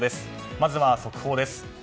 まずは速報です。